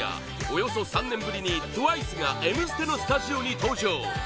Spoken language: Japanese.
およそ３年ぶりにＴＷＩＣＥが「Ｍステ」のスタジオに登場！